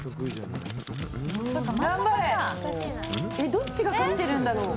どっちが勝ってるんだろう。